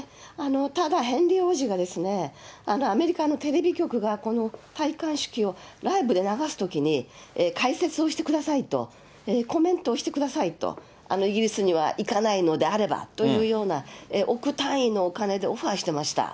ただ、ヘンリー王子がアメリカのテレビ局が、この戴冠式をライブで流すときに、解説をしてくださいと、コメントをしてくださいと、イギリスには行かないのであればというのであれば、億単位のお金でオファーしてました。